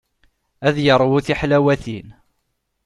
Ad yeṛwu tiḥlawatin.